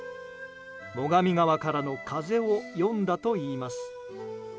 最上川からの風を詠んだといいます。